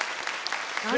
何？